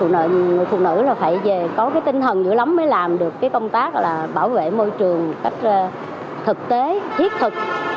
phụ nữ là phải có cái tinh thần giữa lắm mới làm được cái công tác là bảo vệ môi trường cách thực tế thiết thực